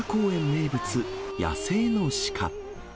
名物、野生の鹿。